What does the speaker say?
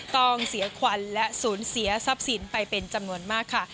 ต้องเสียขวัญและสูญเสียทรัพย์สินไปเป็นจำนวนมากค่ะ